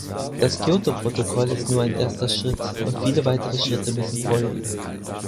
Das Kyoto-Protokoll ist nur ein erster Schritt, und viele weitere Schritte müssen folgen.